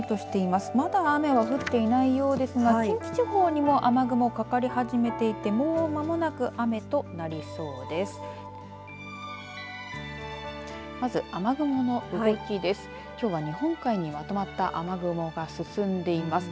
まだ雨は降っていないようですが近畿地方にも雨雲かかり始めていて、もうまもなく雨となりそうです。